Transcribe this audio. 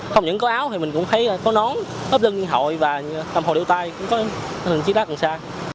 không những có áo thì mình cũng thấy có nón ớp lưng hội và tầm hồn đeo tay cũng có chiếc lá cân xa